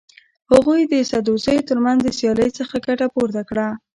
هغوی د سدوزیو تر منځ د سیالۍ څخه ګټه پورته کړه.